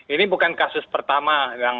ini bukan kasus pertama